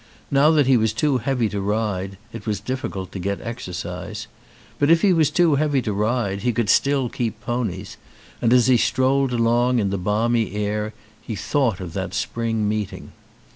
Now that he was too heavy to ride it was difficult to get exercise. But if he was too heavy to ride he could still keep ponies, and as he strolled along in the balmy air he thought of the spring meeting.